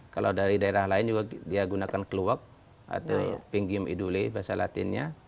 kalau dari daerah lain juga dia gunakan kluwak atau pinggium idule bahasa latinnya